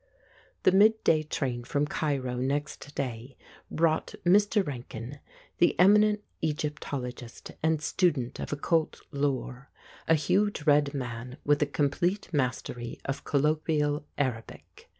The midday train from Cairo next day brought Mr. Rankin, the eminent Egyptologist and student of occult lore, a huge red man with a complete mastery of colloquial Arabic.